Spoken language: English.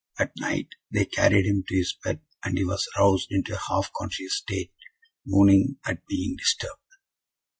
At night, they carried him to his bed, and he was roused into a half conscious state, moaning at being disturbed.